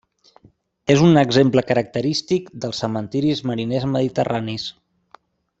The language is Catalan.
És un exemple característic dels cementiris mariners mediterranis.